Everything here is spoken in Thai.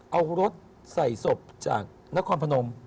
เอารถใส่ศพจากนครพนม